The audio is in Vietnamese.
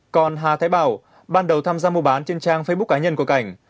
còn hà thái bảo ban đầu tham gia mua bán trên trang facebook cá nhân của cảnh